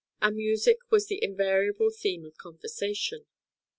and music was the invariable theme of conversation.